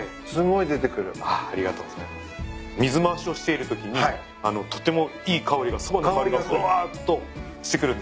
水回しをしているときにとてもいい香りがそばの香りがぶわっとしてくるんです。